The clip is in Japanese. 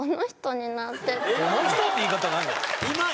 「この人」って言い方何だよ！